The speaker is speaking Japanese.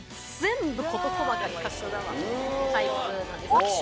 タイプなんです。